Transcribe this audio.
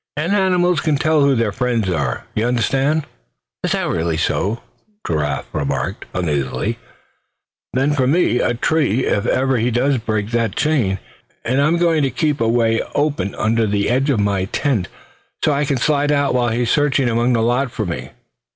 And animals can tell who their friends are, you understand." "Is that really so?" Giraffe remarked, uneasily; "then me for a tree if ever he does break that chain. And I'm going to keep a way open under the edge of the tent, so I can slide out while he's searching among the lot for me.